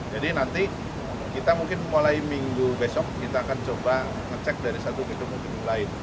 jadi nanti kita mungkin mulai minggu besok kita akan coba ngecek dari satu gedung ke gedung lain